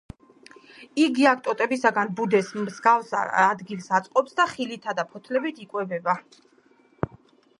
აქ იგი ტოტებისგან ბუდეს მსგავს ადგილს აწყობს და ხილითა და ფოთლებით იკვებება.